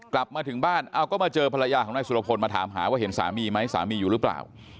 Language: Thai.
กลับมาถึงบ้านเอาก็มาเจอภรรยาของนายสุรพลมาถามหาว่าเห็นสามีไหมสามีอยู่หรือเปล่า